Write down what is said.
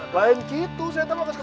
bukan gitu saya tahu